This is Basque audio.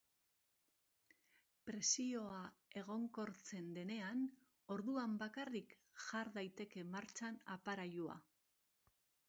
Presioa egonkortzen denean, orduan bakarrik, jar daiteke martxan aparailua.